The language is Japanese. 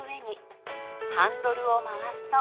ハンドルを回すと。